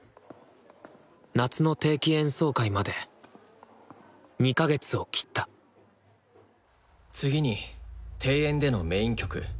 夏の定期演奏会まで２か月を切った次に定演でのメイン曲